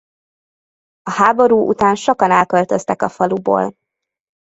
A háború után sokan elköltöztek a faluból.